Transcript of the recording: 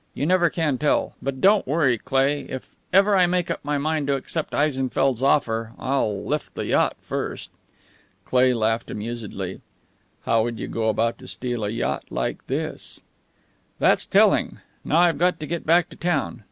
You never can tell. But don't worry, Cleigh. If ever I make up my mind to accept Eisenfeldt's offer, I'll lift the yacht first." Cleigh laughed amusedly. "How would you go about to steal a yacht like this?" "That's telling. Now I've got to get back to town.